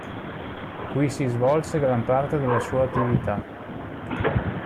Qui si svolse gran parte della sua attività.